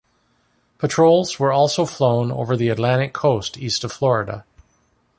Patrols were also flown over the Atlantic Coast east of Florida.